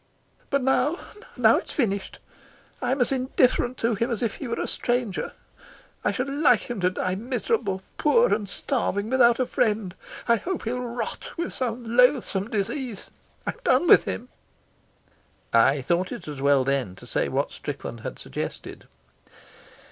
"But now now it's finished. I'm as indifferent to him as if he were a stranger. I should like him to die miserable, poor, and starving, without a friend. I hope he'll rot with some loathsome disease. I've done with him." I thought it as well then to say what Strickland had suggested.